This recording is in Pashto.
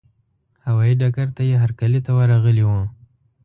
هوايي ډګر ته یې هرکلي ته ورغلي وو.